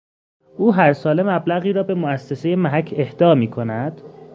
او هر ساله مبلغی را به مؤسسه محک اهدا میکند